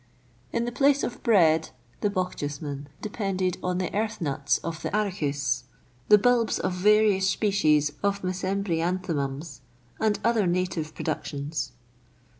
In the place of bread, the Bochjesmen depended on the earth nuts of the arachis, the bulbs of various species of mesembryanthemums, and other native productions.